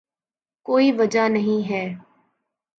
کوئی وجہ نہیں ہے۔